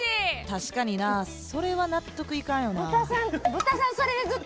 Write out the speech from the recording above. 確かになそれは納得いかんよな。